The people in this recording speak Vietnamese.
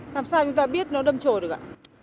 làm sao chúng ta biết nó đâm trồi được ạ